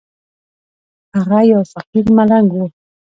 هغه يو فقير ملنگ و.